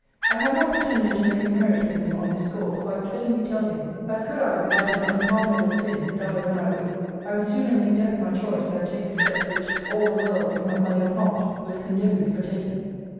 I have not pretended to make a merit with him on this score; for I plainly tell him, 'That could I, without an unpardonable sin, die when I would, I would sooner make death my choice, than take a step, which all the world, if not my own heart, would condemn me for taking.'